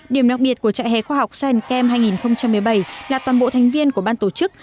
điểm đặc biệt của trại hè khoa học san cam hai nghìn một mươi bảy là toàn bộ thành viên của ban tổ chức